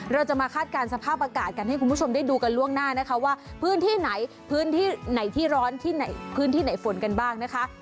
เราจะมาคาดการณ์สภาพอากาศกันให้คุณผู้ชมได้ดูกันล่วงหน้านะคะว่าพื้นที่ไหนพื้นที่ไหนที่ร้อนที่ไหนพื้นที่ไหนฝนกันบ้างนะคะ